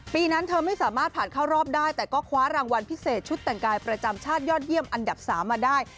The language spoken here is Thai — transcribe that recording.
นั้นเธอไม่สามารถผ่านเข้ารอบได้แต่ก็คว้ารางวัลพิเศษชุดแต่งกายประจำชาติยอดเยี่ยมอันดับ๓มาได้